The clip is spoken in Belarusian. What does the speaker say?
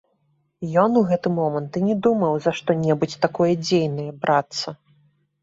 Ён у гэты момант і не думаў за што-небудзь такое дзейнае брацца.